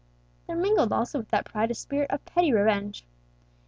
There mingled also with that pride a spirit of petty revenge.